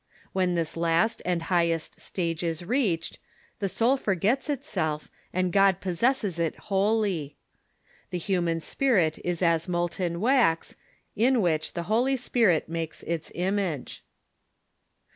When this last and highest stage is reached, the soul forgets itself, and God possesses it wholly. The hu man spirit is as molten wax, in which the Holy Spirit makes its image.